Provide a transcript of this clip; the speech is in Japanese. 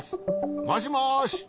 もしもし。